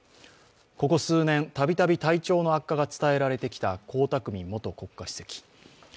ここ数年、たびたび体調の悪化が伝えられてきた江沢民元国家主席。